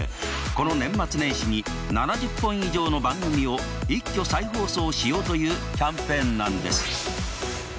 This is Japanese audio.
この年末年始に７０本以上の番組を一挙再放送しようというキャンペーンなんです。